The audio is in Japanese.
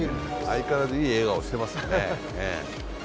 相変わらずいい笑顔していますよね。